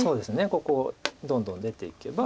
ここどんどん出ていけば。